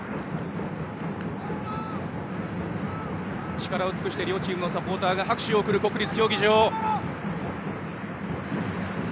力を尽くして両チームのサポーターが拍手を送っている国立競技場です。